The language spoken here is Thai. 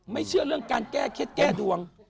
เชื่อเรื่องการแก้เคล็ดแก้ดวง